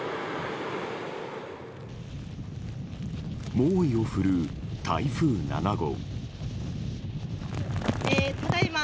猛威を振るう台風７号。